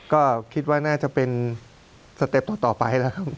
ก็คิดว่าน่าจะเป็นน่าจะเป็นสเต็ปต่อไป